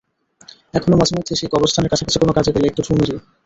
এখনো মাঝে মধ্যে সেই কবরস্থানের কাছাকাছি কোনো কাজে গেলে একটু ঢুঁ মারি।